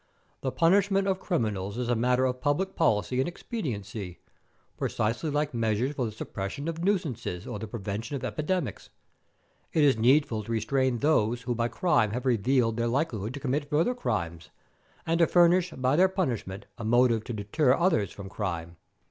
The punishment of criminals is a matter of public policy and expediency, precisely like measures for the suppression of nuisances or the prevention of epidemics. It is needful to restrain those who by crime have revealed their likelihood to commit further crimes, and to furnish by their punishment a motive to deter others from crime."